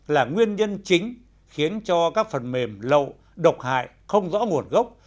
là nguyên nhân chính khiến cho các phần mềm lậu độc hại không rõ nguồn gốc